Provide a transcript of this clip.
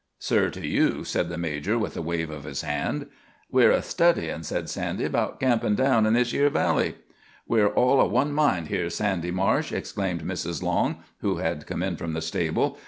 "Sir to you," said the major, with a wave of his hand. "We're a studyin'," said Sandy, "'bout campin' down in this yer valley " "We're all o' one mind here, Sandy Marsh," exclaimed. Mrs. Long, who had come in from the stable.